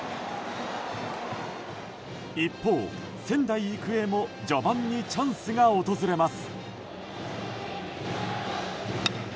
一方、仙台育英も序盤にチャンスが訪れます。